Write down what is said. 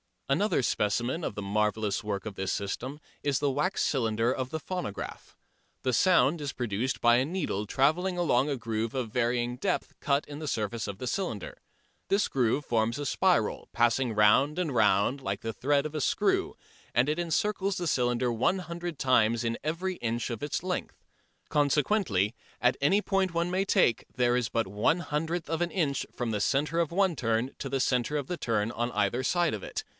Another specimen of the marvellous work of this system is the wax cylinder of the phonograph. The sound is produced by a needle trailing along a groove of varying depth cut in the surface of the cylinder. This groove forms a spiral, passing round and round like the thread of a screw, and it encircles the cylinder one hundred times in every inch of its length. Consequently, at any point one may take, there is but one one hundredth of an inch from the centre of one turn to the centre of the turn on either side of it.